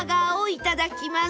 いただきます！